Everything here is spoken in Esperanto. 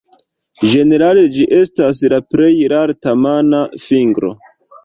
Ĝenerale ĝi estas la plej lerta mana fingro.